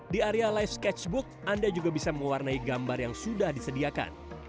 di area live sketchbook anda juga bisa mewarnai gambar yang sudah disediakan